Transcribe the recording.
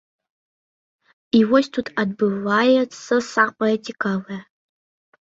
І вось тут адбывацца самае цікавае.